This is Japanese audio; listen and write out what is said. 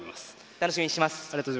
楽しみにしています。